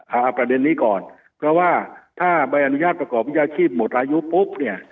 เอาประเด็นนี้ก่อนเพราะว่าถ้าใบอนุญาตประกอบวิชาชีพหมดอายุปุ๊บเนี่ย